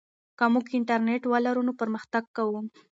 که موږ انټرنیټ ولرو نو پرمختګ کوو.